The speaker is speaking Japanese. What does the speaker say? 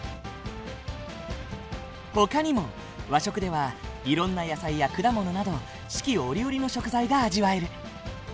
ほかにも和食ではいろんな野菜や果物など四季折々の食材が味わえる。